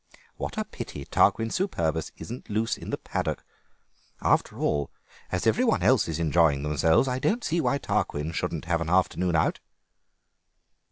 What a pity Tarquin Superbus isn't loose in the paddock. After all, as every one else is enjoying themselves, I don't see why Tarquin shouldn't have an afternoon out."